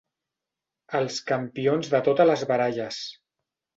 Els campions de totes les baralles.